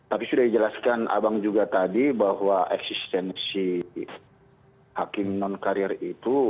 tapi sudah dijelaskan abang juga tadi bahwa eksistensi hakim non karier itu